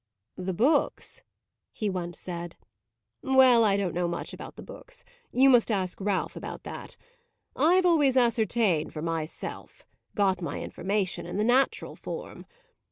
"The books?" he once said; "well, I don't know much about the books. You must ask Ralph about that. I've always ascertained for myself got my information in the natural form.